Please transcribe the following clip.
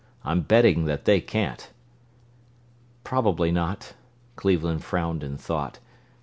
I'm betting that they can't." "Probably not," Cleveland frowned in thought.